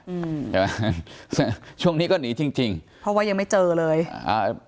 อืมใช่ไหมช่วงนี้ก็หนีจริงจริงเพราะว่ายังไม่เจอเลยอ่า